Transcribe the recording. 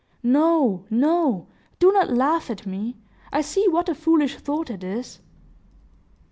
No, no! Do not laugh at me; I see what a foolish thought it is!"